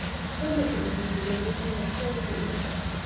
Chame lumek njirenik nea so ongerip